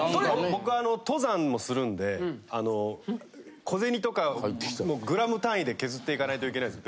僕あの登山もするんで小銭とかグラム単位で削っていかないといけないんです。